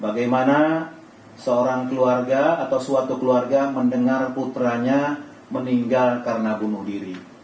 bagaimana seorang keluarga atau suatu keluarga mendengar putranya meninggal karena bunuh diri